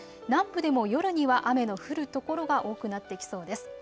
南部でも夜には雨の降る所が多くなってきそうです。